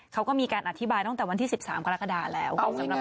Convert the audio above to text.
เขาก็มีการอธิบายตั้งแต่วันที่๑๓กรกฎาแล้ว